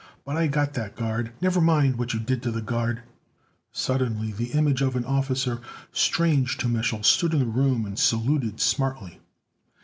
But I got that guard " "Never mind what you did to the guard " Suddenly the image of an officer strange to Mich'l stood in the room and saluted smartly.